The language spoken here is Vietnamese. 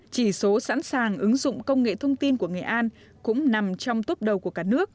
chỉ số sẵn sàng ứng dụng công nghệ thông tin của nghệ an cũng nằm trong tốp đầu của cả nước